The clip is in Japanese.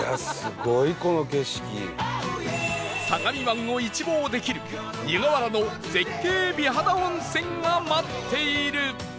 相模湾を一望できる湯河原の絶景美肌温泉が待っている